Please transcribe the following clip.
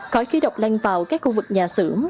khói khí độc lan vào các khu vực nhà xưởng